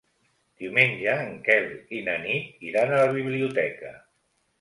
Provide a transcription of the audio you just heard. Diumenge en Quel i na Nit iran a la biblioteca.